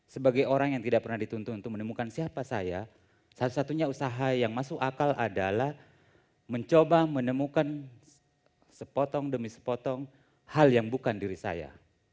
sebagai orang yang tidak pernah dituntut untuk menemukan siapa saya satu satunya usaha yang masuk akal adalah mencoba menemukan sepotong demi sepotong hal yang bukan diri saya